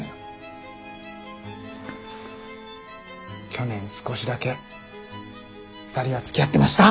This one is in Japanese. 去年少しだけ２人はつきあってました。